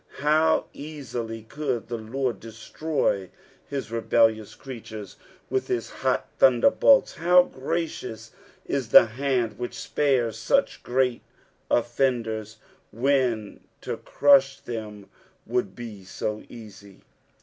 How easily could the Lord destroy hia rebellious creatures with his hot thunderbolts ! how gracioaa ia the hand which spares such great offendera, when to crush them would be so easy